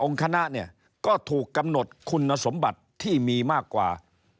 องค์คณะก็ถูกกำหนดคุณสมบัติที่มีมากกว่า